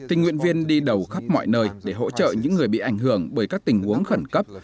tình nguyện viên đi đầu khắp mọi nơi để hỗ trợ những người bị ảnh hưởng bởi các tình huống khẩn cấp